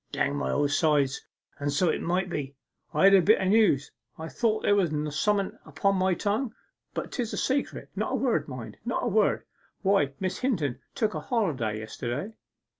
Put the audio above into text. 'Dang my old sides! and so it might be. I have a bit of news I thought there was something upon my tongue; but 'tis a secret; not a word, mind, not a word. Why, Miss Hinton took a holiday yesterday.